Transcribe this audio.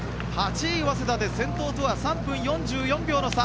８位、早稲田で先頭とは３分４４秒の差。